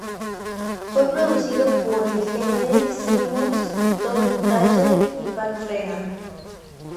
Fue producido por Gene Simmons, Tommy Thayer y Pat Regan.